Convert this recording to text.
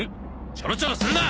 チョロチョロするな！